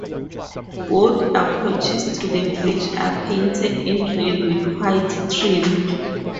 Both approaches to the bridge are painted in red with white trim.